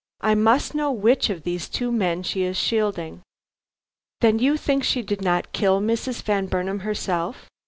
I must know which of these two men she is shielding." "Then you think she did not kill Mrs. Van Burnam herself?"